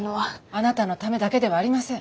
あなたのためだけではありません。